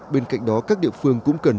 bên cạnh đó các địa phương cũng cần